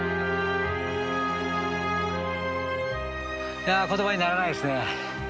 いや言葉にならないですね。